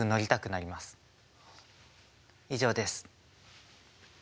以上です。